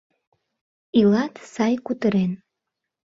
Илат сай кутырен.